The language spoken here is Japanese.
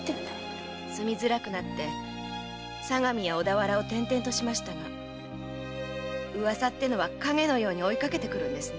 ⁉〕住みづらくなって相模や小田原を転々としましたが噂ってのは影のように追いかけてくるんですね。